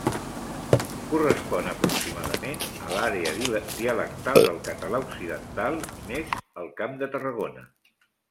Correspon, aproximadament, a l'àrea dialectal del català occidental, més el Camp de Tarragona.